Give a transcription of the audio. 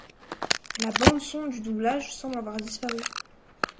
La bande son du doublage semble avoir disparu.